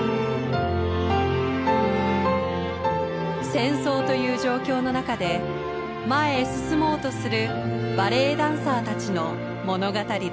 戦争という状況の中で前へ進もうとするバレエダンサーたちの物語です。